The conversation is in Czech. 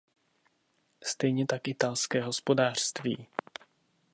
Stejně tak italské hospodářství.